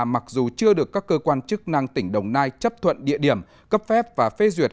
mặc dù chưa được các cơ quan chức năng tỉnh đồng nai chấp thuận địa điểm cấp phép và phê duyệt